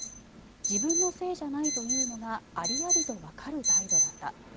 自分のせいじゃないというのがありありとわかる態度だった。